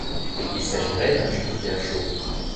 Il s'agirait d'un Jupiter chaud.